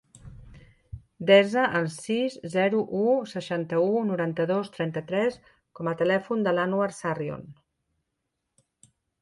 Desa el sis, zero, u, seixanta-u, noranta-dos, trenta-tres com a telèfon de l'Anouar Sarrion.